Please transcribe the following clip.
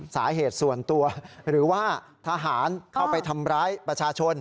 สาเหตุส่วนตัวหรือว่าทหารเข้าไปทำร้ายประชาชน